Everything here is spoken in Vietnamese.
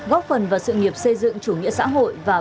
góp phần vào sự nghiệp xây dựng chủ nghĩa xã hội và bảo vệ tổ quốc